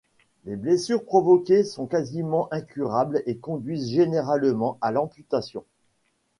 Les blessures provoquées sont quasiment incurables et conduisent généralement à l'amputation.